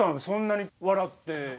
そんなに笑って。